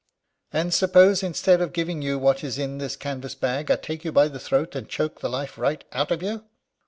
"And suppose, instead of giving you what is in this canvas bag, I take you by the throat and choke the life right out of you?"